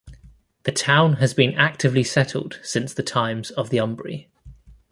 The town has been actively settled since the times of the Umbri.